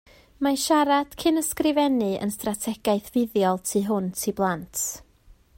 Mae siarad cyn ysgrifennu yn strategaeth fuddiol tu hwnt i blant